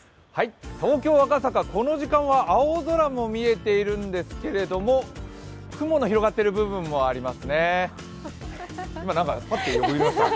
東京・赤坂、この時間は青空も見えているんですけれども、雲の広がっている部分もありますね。